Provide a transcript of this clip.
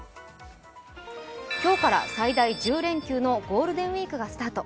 今日から最大１０連休のゴールデンウイークがスタート。